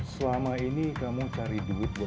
selama ini kamu cari duit buat